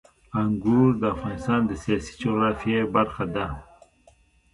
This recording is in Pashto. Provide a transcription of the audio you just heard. انګور د افغانستان د سیاسي جغرافیه برخه ده.